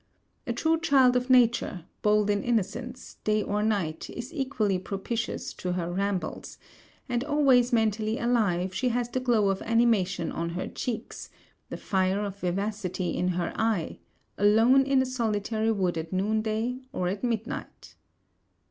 A true child of nature, bold in innocence, day or night is equally propitious to her rambles; and always mentally alive, she has the glow of animation on her cheeks, the fire of vivacity in her eye, alone in a solitary wood at noon day or at midnight.'